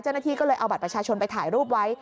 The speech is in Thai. เจ้าหน้าที่ก็เลยเอาบัตรประชาชนไปถ่ายรูปไว้